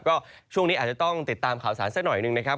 ก็ช่วงนี้อาจจะต้องติดตามข่าวสารสักหน่อยหนึ่งนะครับ